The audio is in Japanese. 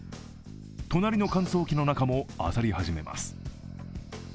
隣の乾燥機の中も漁り始めます。